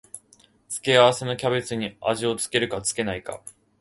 付け合わせのキャベツに味を付けるか付けないか